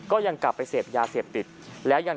ก็ยัง